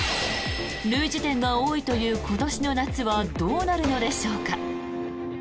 類似点が多いという今年の夏はどうなるのでしょうか。